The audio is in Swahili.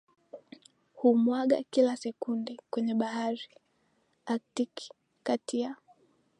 humwaga kila sekunde kwenye Bahari AktikiKati ya